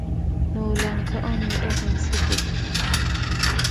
Noo lanka, oneettaka onsikitti.